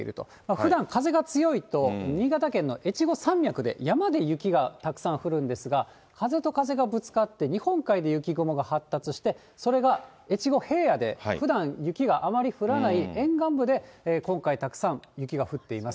ふだん、風が強いと、新潟県の越後山脈で、山で雪がたくさん降るんですが、風と風がぶつかって、日本海で雪雲が発達して、それが越後平野で、ふだん雪があまり降らない沿岸部で、今回、たくさん雪が降っています。